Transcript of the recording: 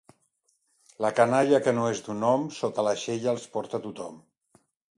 La canalla que no és d'un hom, sota l'aixella els porta tothom.